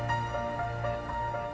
jangan lupa untuk berlangganan